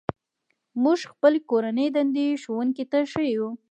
موږ خپلې کورنۍ دندې ښوونکي ته ښيو.